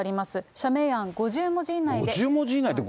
社名案５０文字以内で。